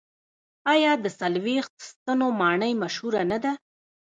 آیا د څلوېښت ستنو ماڼۍ مشهوره نه ده؟